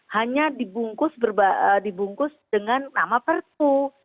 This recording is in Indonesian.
hanya dibungkus dengan nama perpu